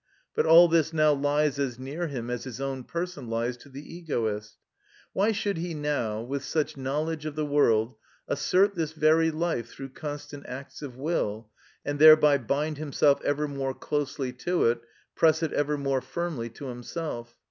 But all this now lies as near him as his own person lies to the egoist. Why should he now, with such knowledge of the world, assert this very life through constant acts of will, and thereby bind himself ever more closely to it, press it ever more firmly to himself?